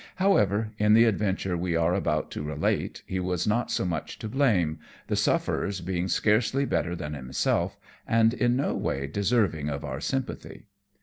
However, in the adventure we are about to relate, he was not so much to blame, the sufferers being scarcely better than himself, and in no way deserving of our sympathy.